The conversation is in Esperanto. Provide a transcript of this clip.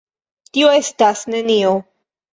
Tio estas nenio.